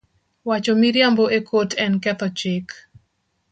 Wacho miriambo e kot en ketho chik